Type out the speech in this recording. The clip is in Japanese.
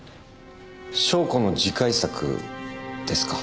湘子の次回作ですか？